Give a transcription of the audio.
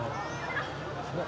keluarga selamat semua